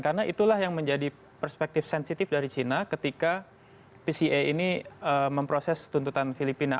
karena itulah yang menjadi perspektif sensitif dari china ketika pca ini memproses tuntutan filipina